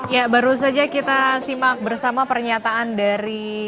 ya baru saja kita simak bersama pernyataan dari